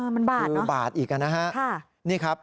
มันบาทคือบาทอีกนะฮะนี่ครับ